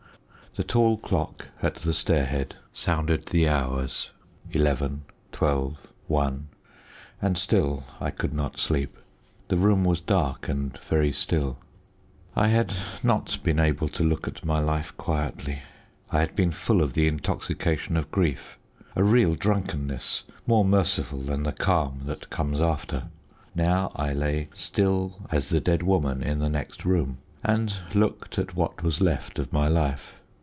The tall clock at the stairhead sounded the hours eleven, twelve, one, and still I could not sleep. The room was dark and very still. I had not been able to look at my life quietly. I had been full of the intoxication of grief a real drunkenness, more merciful than the calm that comes after. Now I lay still as the dead woman in the next room, and looked at what was left of my life.